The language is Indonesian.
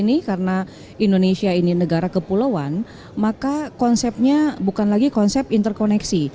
ini karena indonesia ini negara kepulauan maka konsepnya bukan lagi konsep interkoneksi